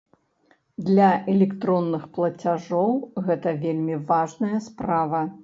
Для электронных плацяжоў гэта вельмі важная справа.